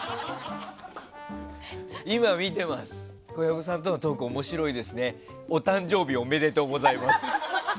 小籔さんとのトーク面白いですねお誕生日おめでとうございます。